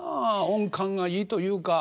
音感がいいというか。